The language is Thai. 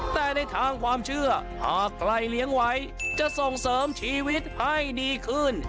แต่ในทางความเชื่อหากใครเลี้ยงไว้จะส่งเสริมชีวิตให้ดีขึ้น